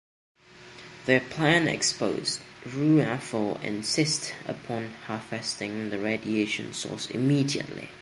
Their plan exposed, Ru'afo insists upon harvesting the radiation source immediately.